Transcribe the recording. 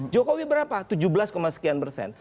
jokowi berapa tujuh belas sekian persen